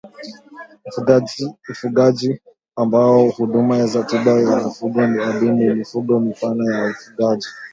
Ufugaji ambako huduma za tiba ya mifugo ni adimu Mifumo mipana ya ufugaji